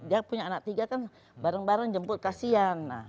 dia punya anak tiga kan bareng bareng jemput kasihan